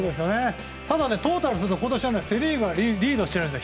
ただ、トータルすると今年はセ・リーグがリードしてるんですね。